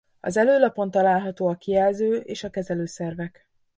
Az előlapon található a kijelző és a kezelőszervek.